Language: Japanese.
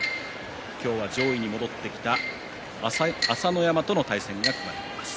今日は上位に戻ってきた朝乃山との対戦が組まれています。